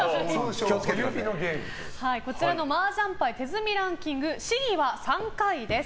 麻雀牌手積みランキング試技は３回です。